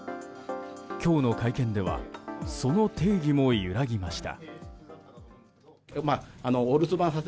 今日の会見ではその定義も揺らぎました。